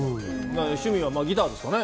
趣味はギターですかね。